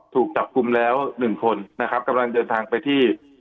ถูกจับกลุ่มแล้วหนึ่งคนนะครับกำลังเดินทางไปที่